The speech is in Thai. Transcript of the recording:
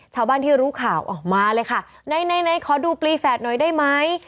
ชาวบ้านที่รู้ข่าวออกมาเลยค่ะไหนขอดูปลีแฝดหน่อยได้ไหม